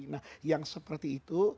nah yang seperti itu